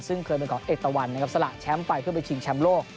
ซึ่งเคยเป็นของเอกตะวันนะครับสละแชมป์ไปเพื่อไปชิงแชมป์โลก